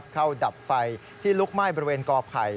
ดับไฟที่ลุกไหม้บริเวณกอไผ่